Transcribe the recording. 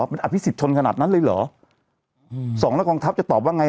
เป็นอภิสิทธิ์ชนขนาดนั้นเลยเหรออืมสองละกองทัพจะตอบว่าไง